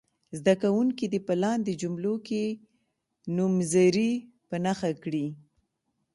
زده کوونکي دې په لاندې جملو کې نومځري په نښه کړي.